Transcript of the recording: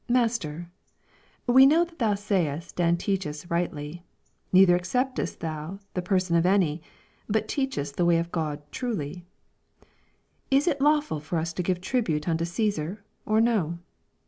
Master, we know that thou sayest ana teachest rightly, neither acceptest thou the person of any^ but teachest the way of God truly ': 22 Is it lawful for us to give tribute anto C«sar, or no